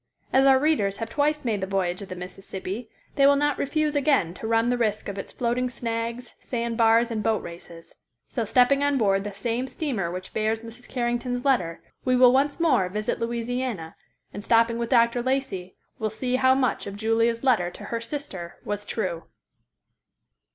As our readers have twice made the voyage of the Mississippi, they will not refuse, again, to run the risk of its floating snags, sandbars and boat races; so stepping on board the same steamer which bears Mrs. Carrington's letter, we will once more, visit Louisiana, and stopping with Dr. Lacey, will see how much of Julia's letter to her sister was true.